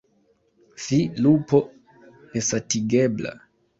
fi, lupo nesatigebla!